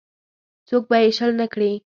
څوک به یې شل نه کړي.